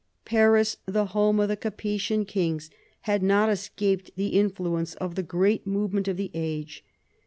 Paris, the home of the Capetian kings, had not escaped the influence of the great movement of the age.